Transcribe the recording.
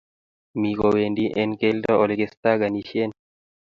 Mi kowendi ako keldo eng olekistaganishen